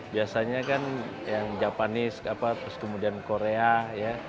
biasanya kan yang japanis kemudian korea ya